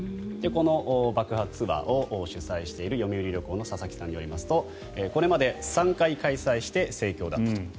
この爆破ツアーを主催している読売旅行の佐々木さんによりますとこれまで３回開催して盛況だったと。